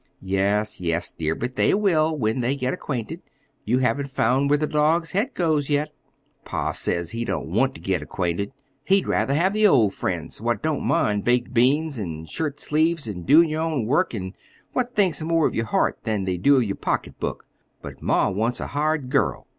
"Yes, yes, dear, but they will, when they get acquainted. You haven't found where the dog's head goes yet." "Pa says he don't want ter get acquainted. He'd rather have the old friends, what don't mind baked beans, an' shirt sleeves, an' doin' yer own work, an' what thinks more of yer heart than they do of yer pocketbook. But ma wants a hired girl.